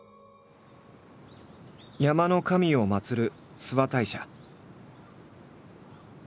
山の神を祭る諏訪大社。